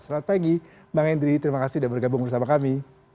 selamat pagi bang henry terima kasih sudah bergabung bersama kami